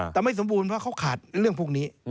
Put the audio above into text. แต่ไม่สมบูรณ์เพราะเขาขาดเรื่องพวกนี้